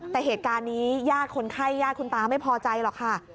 แต่เหตุการณ์นี้ญาติคนไข้ญาติคุณตาไม่พอใจหรอกค่ะ